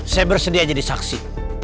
saya bersedia jadi saksi